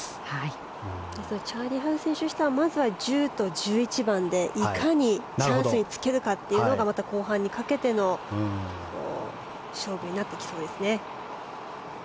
チャーリー・ハル選手としてはまずは１０と１１番でいかにチャンスにつけるかというのがまた後半にかけての勝負になってきそうですね。